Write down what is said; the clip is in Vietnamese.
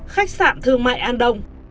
khách sạn thương mại an đông